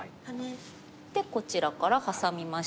でこちらからハサみました。